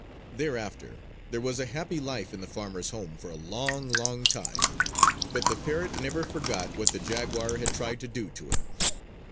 Thereafter there was a happy life in the farmer's home for a long, long time. But the parrot never forgot what the jaguar had tried to do to him.